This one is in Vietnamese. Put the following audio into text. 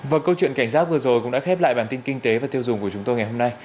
và câu chuyện cảnh giác vừa rồi cũng đã khép lại bản tin kinh tế và tiêu dùng của chúng tôi ngày hôm nay